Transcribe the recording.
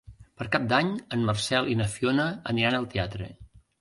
Per Cap d'Any en Marcel i na Fiona aniran al teatre.